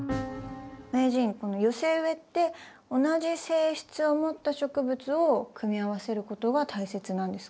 名人この寄せ植えって同じ性質を持った植物を組み合わせることが大切なんですか？